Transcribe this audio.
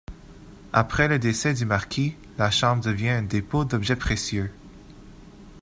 Après le décès du marquis, la Chambre devient un dépôt d’objets précieux.